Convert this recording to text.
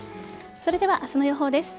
それでは明日の予報です。